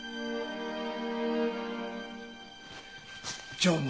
常務。